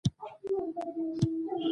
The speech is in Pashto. سوله د سوکاله او باثباته ژوند بنسټ دی